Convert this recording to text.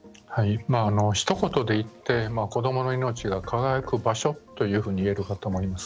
ひと言で言って子どもの命が輝く場所と言えるかと思います。